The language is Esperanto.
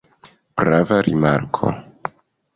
Prava rimarko.